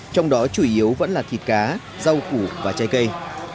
trong đó chủ yếu vẫn là thịt cá rau củ và trái cây